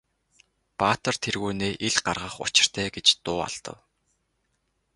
Баатар тэргүүнээ ил гаргах учиртай гэж дуу алдав.